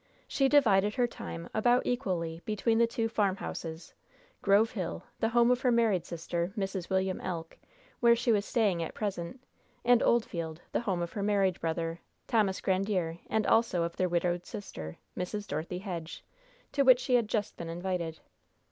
She divided her time about equally between the two farmhouses Grove Hill, the home of her married sister, Mrs. William Elk, where she was staying at present; and Oldfield, the home of her married brother, Thomas Grandiere, and also of their widowed sister, Mrs. Dorothy Hedge, to which she had just been invited.